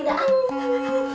wah ini kamarnya